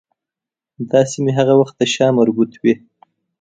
دا سیمې هغه وخت د شام مربوط وې.